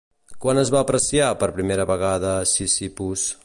Quan es va apreciar per primera vegada Sisyphus?